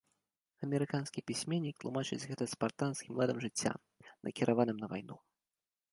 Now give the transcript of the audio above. Амерыканскі пісьменнік тлумачыць гэта спартанскім ладам жыцця, накіраваным на вайну.